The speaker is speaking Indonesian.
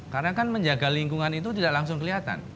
karena kan menjaga lingkungan itu tidak langsung kelihatan